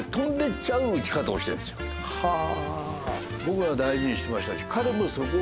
はあ！